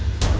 ya aku sama